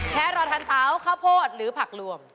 แค่รอทานเตาข้าวโพดหรือผักรวม